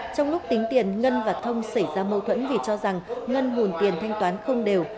trong lúc tính tiền ngân và thông xảy ra mâu thuẫn vì cho rằng ngân nguồn tiền thanh toán không đều